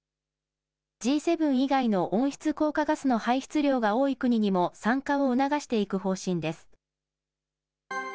Ｇ７以外の温室効果ガスの排出量が多い国にも参加を促していく方針です。